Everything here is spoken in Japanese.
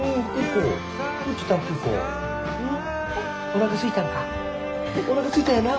おなかすいたんやな。